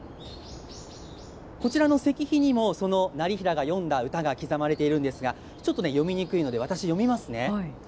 こちらの石碑にも、その業平が詠んだ歌が刻まれているんですが、ちょっとね、読みにくいので、私、読みますね。